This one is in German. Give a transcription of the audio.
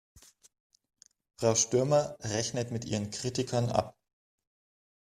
Frau Stürmer rechnet mit ihren Kritikern ab.